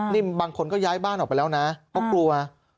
นี่บางคนก็ย้ายบ้านออกไปแล้วนะเพราะกลัว